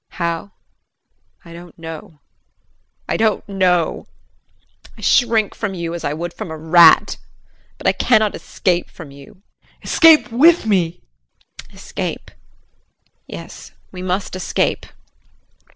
JULIE. How? I don't know. I don't know! I shrink from you as I would from a rat. But I cannot escape from you. JEAN. Escape with me. JULIE. Escape? Yes, we must escape.